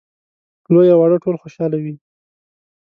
لوی او واړه ټول خوشاله وي.